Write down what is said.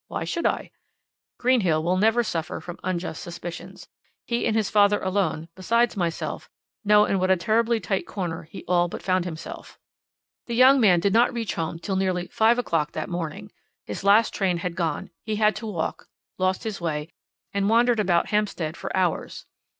Why should I? Greenhill will never suffer from unjust suspicions. He and his father alone besides myself know in what a terribly tight corner he all but found himself. "The young man did not reach home till nearly five o'clock that morning. His last train had gone; he had to walk, lost his way, and wandered about Hampstead for hours.